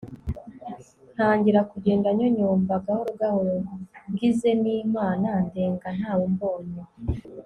ntangira kugenda nyonyomba gahoro gahoro ngize nimana ndenga ntawe umbonye